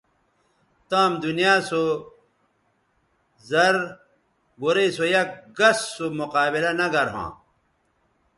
تام دنیا سو زر گورئ سو یک گس سو مقابلہ نہ گر ھواں